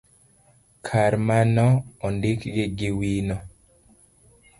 kar mano, ondikgi gi wino.